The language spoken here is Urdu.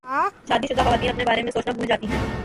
شادی شدہ خواتین اپنے بارے میں سوچنا بھول جاتی ہیں